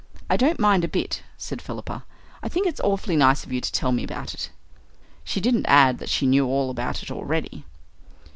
"I don't mind a bit," said Philippa. "I think it's awfully nice of you to tell me about it." She didn't add that she knew all about it already.